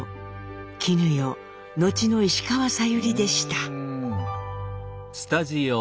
絹代後の石川さゆりでした。